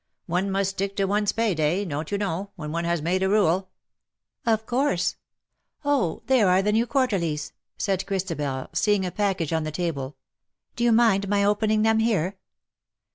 One must stick to one's pay day, don't you know, when one has made a rule." " 0£ course. Oh, there are the new Quarterlies !" said Christabel, seeing a package on the table. " Do you mind my opening them here